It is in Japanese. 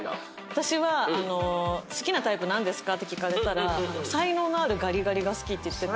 私は好きなタイプなんですか？って聞かれたら才能のあるガリガリが好きって言ってて。